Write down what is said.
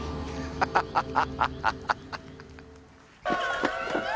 ハハハハ！